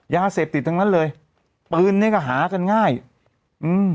ยาเสพติดทั้งนั้นเลยปืนเนี้ยก็หากันง่ายอืม